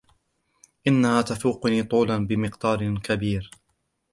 إنها تفوقني طولاً بمقدار كبير.